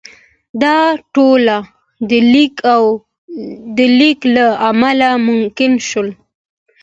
دا ټول د لیک له امله ممکن شول.